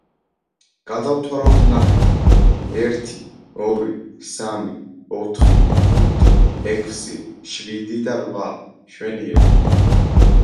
გადავთვალოთ, ნახეთ: ერთი, ორი, სამი, ოთხი, ხუთი, ექვსი, შვიდი და რვა. მშვენიერი.